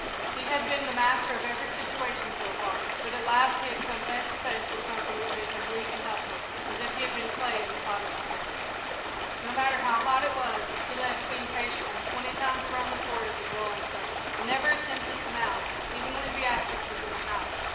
He had been the master of every situation so far, but at last he had come face to face with something that made him weak and helpless as if he had been clay in the potter's hands. No matter how hot it was, he led Queen patiently twenty times around the Fort in the broiling sun, and never attempted to mount, even when Beatrice was in the house.